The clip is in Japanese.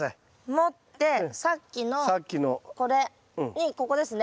持ってさっきのこれにここですね。